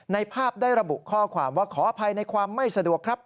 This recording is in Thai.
ภาพได้ระบุข้อความว่าขออภัยในความไม่สะดวกครับ